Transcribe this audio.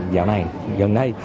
dạo này gần đây